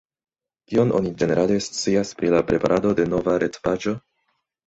Kion oni ĝenerale scias pri la preparado de nova retpaĝo?